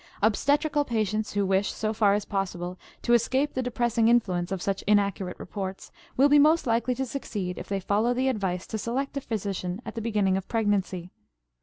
Obstetrical patients who wish, so far as possible, to escape the depressing influence of such inaccurate reports will be most likely to succeed if they follow the advice to select a physician at the beginning of pregnancy.